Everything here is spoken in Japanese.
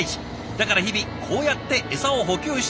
だから日々こうやってエサを補給しているんです。